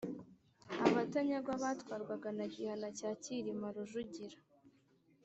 Abatanyagwa batwarwaga na Gihana cya Cyilima Rujugira